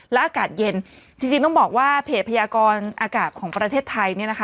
และอากาศเย็นจริงต้องบอกว่าเพจพยากรอากาศของประเทศไทยเนี่ยนะคะ